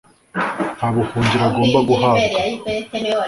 nta buhungiro agomba guhabwa